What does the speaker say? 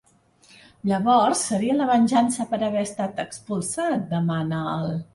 Llavors seria la venjança per haver estat expulsat? —demana el